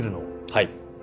はい！